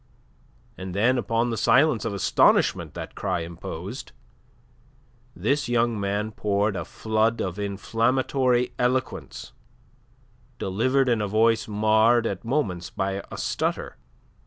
And then upon the silence of astonishment that cry imposed, this young man poured a flood of inflammatory eloquence, delivered in a voice marred at moments by a stutter.